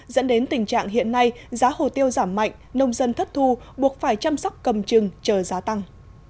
dẫn đến tình trạng hiện nay giá hồ tiêu giảm mạnh nông dân thất thu buộc phải chăm sóc cầm chừng chờ giá tăng